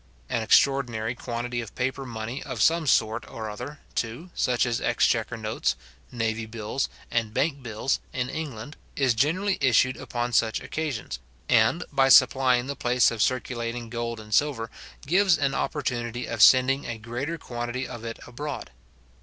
An extraordinary quantity of paper money of some sort or other, too, such as exchequer notes, navy bills, and bank bills, in England, is generally issued upon such occasions, and, by supplying the place of circulating gold and silver, gives an opportunity of sending a greater quantity of it abroad.